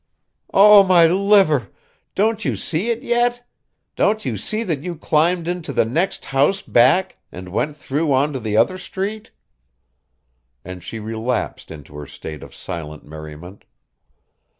"Oh, my liver! Don't you see it yet? Don't you see that you climbed into the next house back, and went through on to the other street?" And she relapsed into her state of silent merriment.